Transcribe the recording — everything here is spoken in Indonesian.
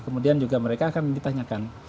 kemudian juga mereka akan ditanyakan